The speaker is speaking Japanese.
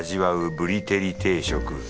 ぶり照り定食。